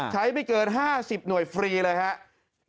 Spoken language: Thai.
ไม่เกิน๕๐หน่วยฟรีเลยครับ